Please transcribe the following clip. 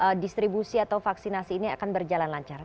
apakah distribusi atau vaksinasi ini akan berjalan lancar